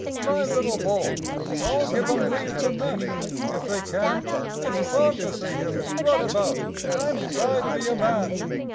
My little boy I'll give 'em leave to match him, if they can; It's fun to see him strut about, and try to be a man!